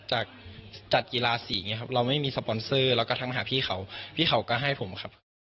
จัดจัดกีฬาสีอย่างนี้ครับเราไม่มีสปอนเซอร์แล้วก็ทักมาหาพี่เขาพี่เขาก็ให้ผมครับ